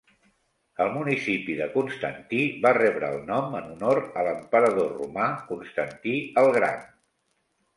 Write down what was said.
El municipi de Constantí va rebre el nom en honor a l'emperador romà Constantí el Gran.